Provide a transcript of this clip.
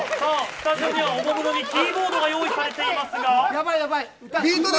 スタジオには、おもむろにキーボードが用意されています。